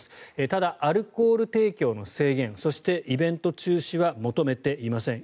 ただ、アルコール提供の制限そしてイベント中止は求めていません。